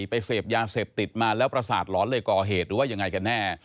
ไปเสพยาเสพติดมาแล้วประสาทหลอนเลยก่อเหตุหรือว่ายังไงกันแน่